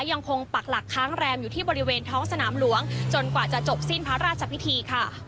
ปักหลักค้างแรมอยู่ที่บริเวณท้องสนามหลวงจนกว่าจะจบสิ้นพระราชพิธีค่ะ